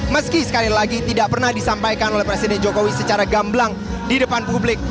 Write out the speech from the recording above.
meski sekali lagi tidak pernah disampaikan oleh presiden jokowi secara gamblang di depan publik